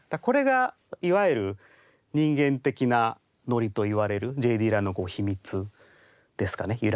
これがいわゆる人間的なノリといわれるＪ・ディラの秘密ですかね。